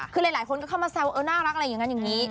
คือหลายคนก็เข้ามาแซวเออน่ารักอะไรอย่างนั้นอย่างนี้